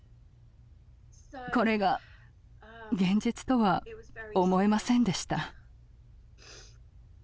これが現実とは思えませんでした。